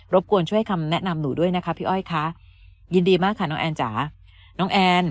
บกวนช่วยคำแนะนำหนูด้วยนะคะพี่อ้อยคะยินดีมากค่ะน้องแอนจ๋าน้องแอน